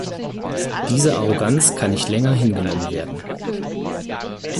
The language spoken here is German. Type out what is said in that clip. Diese Arroganz kann nicht länger hingenommen werden.